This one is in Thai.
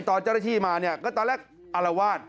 ตอนเจ้าหน้าที่มาเนี่ยก็ตอนแรกอารวาส